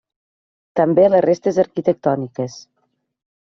També les restes arquitectòniques: